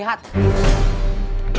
bos ada yang nyari